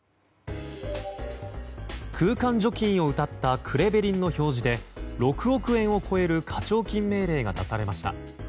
空間除菌をうたったクレベリンの表示で６億円を超える課徴金命令が出されました。